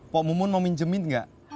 pok mumun mau minjemin gak